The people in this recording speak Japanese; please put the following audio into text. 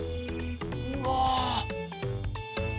うわ！